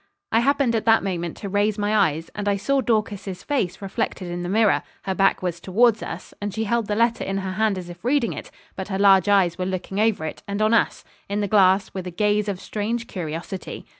I happened at that moment to raise my eyes, and I saw Dorcas's face reflected in the mirror; her back was towards us, and she held the letter in her hand as if reading it, but her large eyes were looking over it, and on us, in the glass, with a gaze of strange curiosity.